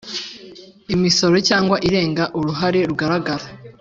Imisoro cyangwa irenga uruhare rugaragara